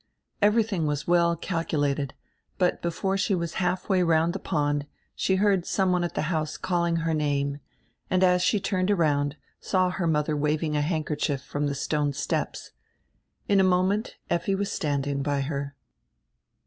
Everything was well calculated, but before she was half way round die pond she heard some one at die house calling her name and, as she turned around, saw her modier waving a handkerchief from die stone steps. In a moment Effi was standing by her.